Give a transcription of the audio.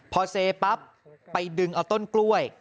พอเซปั๊บไปดึงเอาต้นกล้วย